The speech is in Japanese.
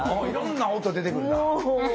いろんな音出てくるな。